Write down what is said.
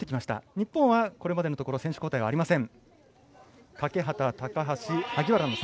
日本はこれまで選手交代はありません。